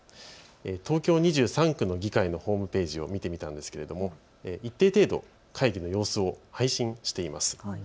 東京２３区の議会のホームページを見てみたんですけれど一定程度会議の様子を配信しています。